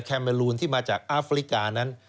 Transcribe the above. แมลูนที่มาจากอาฟริกานั้น